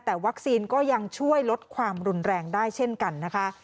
แต่วัคซีนก็ยังช่วยลดความรุนแรงได้เช่นกันนะคะ